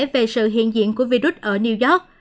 về sự hiện diện của virus ở new york